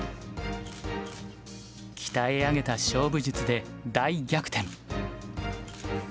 鍛え上げた勝負術で大逆転。